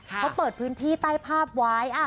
เขาเปิดพื้นที่ใต้ภาพไว้